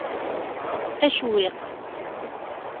Acewwiq.